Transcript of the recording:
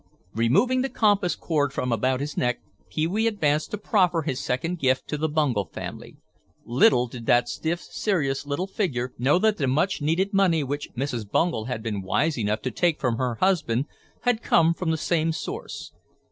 Removing the compass cord from about his neck, Pee wee advanced to proffer his second gift to the Bungel family. Little did that stiff, serious little figure know that the much needed money which Mrs. Bungel had been wise enough to take from her husband, had come from the same source.